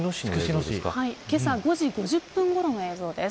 けさ５時５０分ごろの映像です。